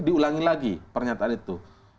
diulangi lagi pernyataan itu